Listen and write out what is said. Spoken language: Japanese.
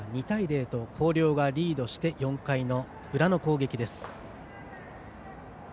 ２対０と広陵がリードして４回の裏の攻撃です。